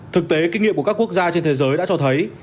thực tế kinh nghiệm của các quốc gia trên thế giới đã cho thấy